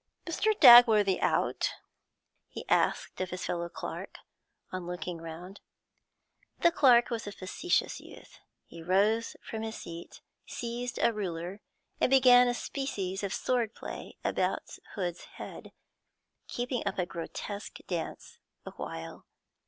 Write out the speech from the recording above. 'Mr. Dagworthy out?' he asked of his fellow clerk on looking round. The clerk was a facetious youth. He rose from his seat, seized a ruler, and began a species of sword play about Hood's head, keeping up a grotesque dance the while.